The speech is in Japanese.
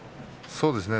そうですね。